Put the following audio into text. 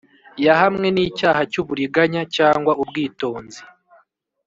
Yahamwe n icyaha cy uburiganya cyangwa ubwitonzi